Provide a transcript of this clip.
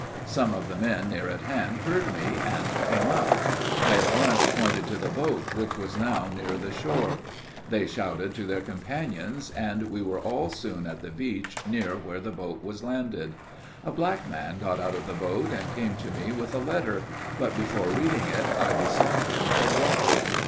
Some of the men near at hand heard me, and came up. I at once pointed to the boat, which was now near the shore. They shouted to their companions, and we were all soon at the beach near where the boat was landed. A black man got out of the boat, and came to me with a letter but, before reading it, I besought him for water.